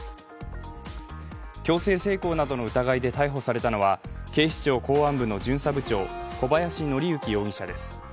強制性交などの疑いで逮捕されたのは警視庁公安部の巡査部長小林徳之容疑者です。